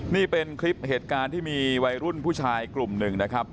นี่เป็นคลิปเหตุการณ์ที่มีวัยรุ่นผู้ชายกลุ่มหนึ่งนะครับ